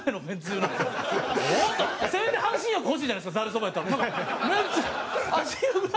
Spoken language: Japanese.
もっとせめて半身浴欲しいじゃないですかざるそばやったら。